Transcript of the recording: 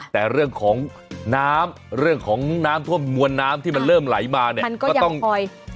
แต่เรื่องของน้ำเรื่องของน้ำท่วมมวลน้ำที่มันเริ่มไหลมาเนี่ยมันก็ต้องคอย